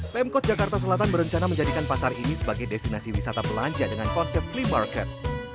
pemkot jakarta selatan berencana menjadikan pasar ini sebagai destinasi wisata belanja dengan konsep free market